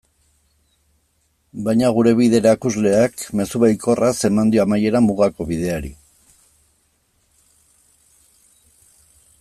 Baina gure bide-erakusleak mezu baikorraz eman dio amaiera Mugako Bideari.